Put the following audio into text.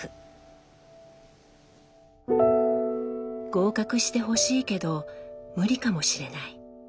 合格してほしいけど無理かもしれない。